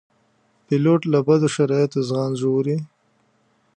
پیلوټ له بدو شرایطو ځان ژغوري.